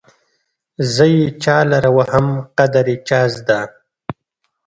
زه يې چالره وهم قدر يې چازده